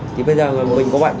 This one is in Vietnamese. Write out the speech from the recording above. thì bây giờ mình có bệnh